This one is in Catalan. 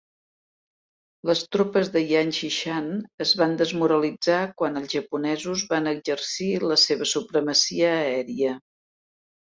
Les tropes de Yan Xishan es van desmoralitzar quan els japonesos van exercir la seva supremacia aèria.